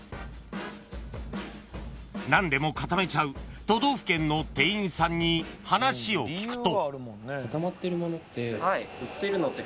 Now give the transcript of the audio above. ［何でも固めちゃう都道府県の店員さんに話を聞くと］